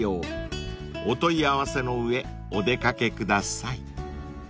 ［お問い合わせの上お出掛けください］